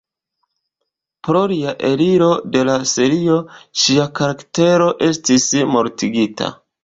Pro lia eliro de la serio, ŝia karaktero estis mortigita.